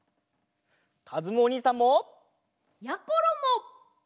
かずむおにいさんも！やころも！